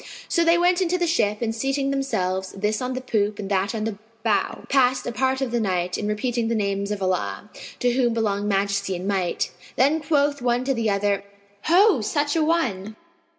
So they went up into the ship and seating themselves, this on the poop and that on the bow, passed a part of the night in repeating the names of Allah (to whom belong Majesty and Might!). Then quoth one to the other, "Ho, such an one!